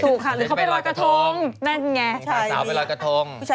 พูดพร้อมประมาณกันหมดเลยอะพี่มสก็ค่ะ